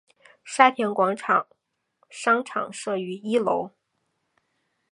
沙田广场商场设于一楼。